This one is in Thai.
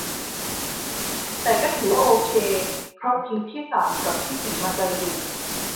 แต่ก็ถือว่าโอเค เพราะทิ้งที่สามกับที่สี่มาไกลอยู่